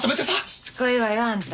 しつこいわよあんた。